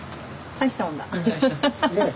大したもんだ。ねえ。